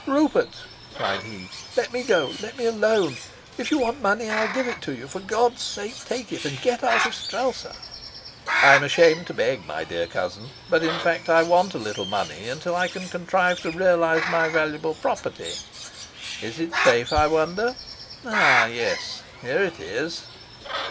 "Rupert," cried he, "let me go, let me alone. If you want money, I'll give it to you. For God's sake take it, and get out of Strelsau!" "I'm ashamed to beg, my dear cousin, but in fact I want a little money until I can contrive to realize my valuable property. Is it safe, I wonder? Ah, yes, here it is."